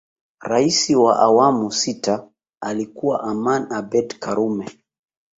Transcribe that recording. Rais wa awamu sita alikuwa Aman Abeid karume